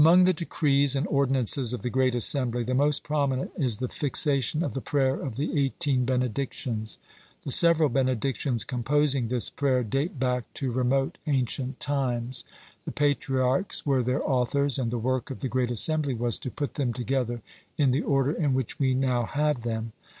(57) Among the decrees and ordinances of the Great Assembly, the most prominent is the fixation of the prayer of the Eighteen Benedictions. The several benedictions composing this prayer date back to remote ancient times. The Patriarchs were their authors, and the work of the Great Assembly was to put them together in the order in which we now have them.